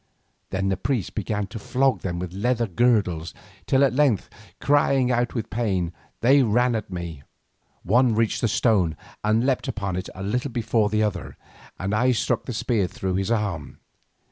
Then the priests began to flog them with leather girdles till at length crying out with pain, they ran at me. One reached the stone and leapt upon it a little before the other, and I struck the spear through his arm.